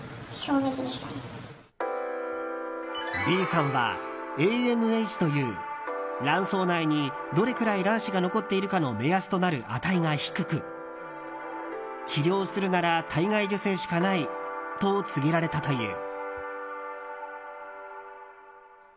ＢさんはＡＭＨという卵巣内にどれくらい卵子が残っているかの目安となる値が低く治療するなら体外受精しかないと告げられたという。